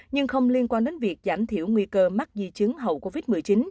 nhưng không liên quan đến việc giảm thiểu nguy cơ mắc di chứng hậu covid một mươi chín